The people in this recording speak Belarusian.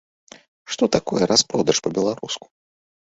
Што такое распродаж па-беларуску?